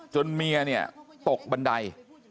เมียเนี่ยตกบันได